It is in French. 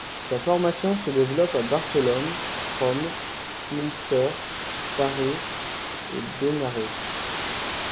Sa formation se développa à Barcelone, Rome, Münster, Paris et Benarés.